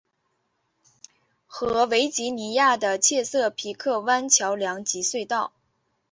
和维吉尼亚的切塞皮克湾桥梁及隧道。